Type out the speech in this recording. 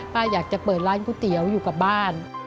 อยากจะเปิดร้านก๋วยเตี๋ยวอยู่กับบ้าน